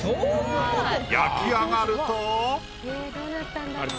焼き上がると。